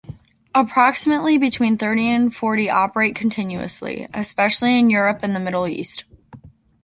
Approximately between thirty and forty operate continuously, especially in Europe and the Middle East.